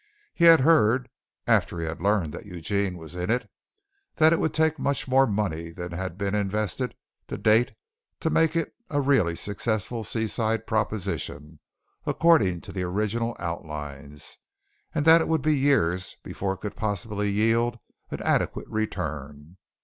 He had heard, after he had learned that Eugene was in it, that it would take much more money than had been invested to date to make it a really successful seaside proposition according to the original outlines, and that it would be years before it could possibly yield an adequate return.